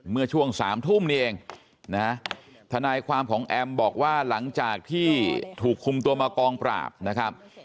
เมื่อช่วง๓ทุ่มนี่เองนะฮะทนายความของแอมบอกว่าหลังจากที่ถูกคุมตัวมากองปราบนะครับ